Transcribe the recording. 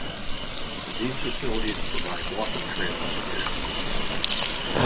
These facilities provide walking trails to tennis courts.